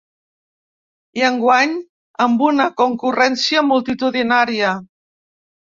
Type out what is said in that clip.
I enguany amb una concurrència multitudinària.